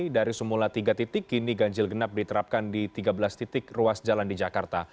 dari semula tiga titik kini ganjil genap diterapkan di tiga belas titik ruas jalan di jakarta